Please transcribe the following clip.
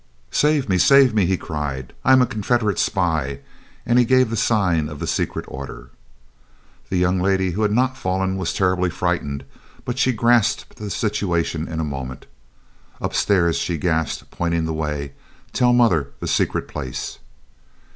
"Save me! Save me!" he cried, "I am a Confederate spy," and he gave the sign of the secret order. The young lady who had not fallen was terribly frightened, but she grasped the situation in a moment. "Upstairs," she gasped, pointing the way; "tell mother, the secret place."